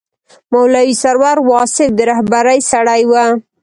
مولوي سرور واصف د رهبرۍ سړی و.